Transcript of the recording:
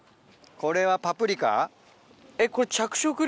これはパプリカ？